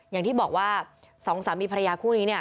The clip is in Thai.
อย่างที่บอกว่าสองสามีภรรยาคู่นี้เนี่ย